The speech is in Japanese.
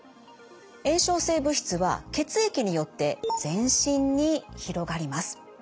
炎症性物質は血液によって全身に広がります。